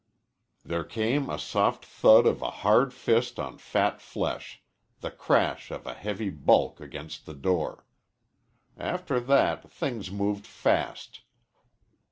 There came a soft thud of a hard fist on fat flesh, the crash of a heavy bulk against the door. After that things moved fast.